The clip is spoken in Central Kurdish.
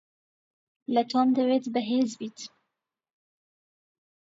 لە تۆم دەوێت بەهێز بیت.